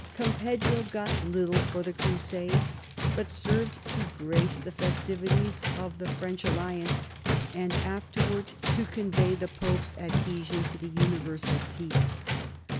Campeggio got little for the crusade, but served to grace the fes tivities of the French alliance, and afterwards to convey the Pope's adhesion to the universal peace.